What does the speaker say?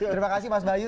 terima kasih mas bayu